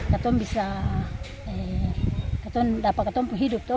kata kata bisa kata kata dapat kehidupan